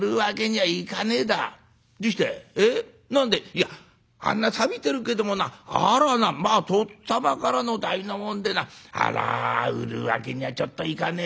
「いやあんなさびてるけどもなあれはなとっつぁまからの代のもんでなあら売るわけにはちょっといかねえでな」。